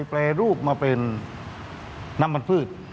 แปรรูปมาเป็นน้ำมันพืช